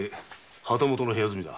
旗本の部屋住みだ。